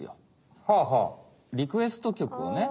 リクエストきょくをね。